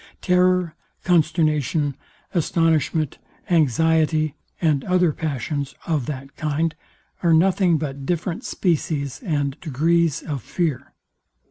Terror, consternation, astonishment, anxiety, and other passions of that kind, are nothing but different species and degrees of fear.